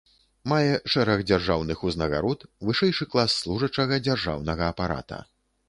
Мае шэраг дзяржаўных узнагарод, вышэйшы клас служачага дзяржаўнага апарата.